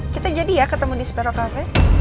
kita jadi ya ketemu di spero kv